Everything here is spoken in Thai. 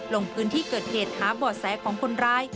ลงพื้นที่เกิดเหตุหาบ่อแสของคนร้าย